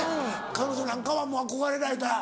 彼女なんかはもう憧れられた。